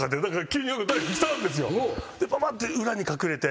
パパッて裏に隠れて。